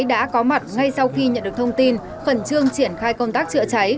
đã có mặt ngay sau khi nhận được thông tin khẩn trương triển khai công tác chữa cháy